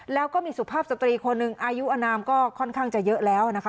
แล้วก็มีสุภาพสตรีคนหนึ่งอายุอนามก็ค่อนข้างจะเยอะแล้วนะคะ